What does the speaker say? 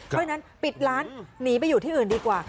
เพราะฉะนั้นปิดร้านหนีไปอยู่ที่อื่นดีกว่า